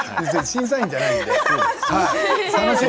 審査員じゃないので。